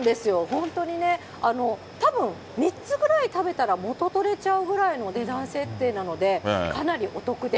本当にね、たぶん、３つぐらい食べたら元取れちゃうぐらいの値段設定なので、かなりお得で。